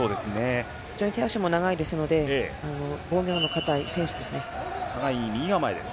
非常に手足の長い選手なので防御の固い選手です。